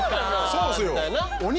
そうっすよ